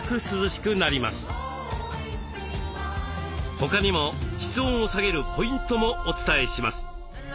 他にも室温を下げるポイントもお伝えします。